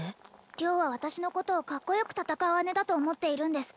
良は私のことをカッコよく戦う姉だと思っているんです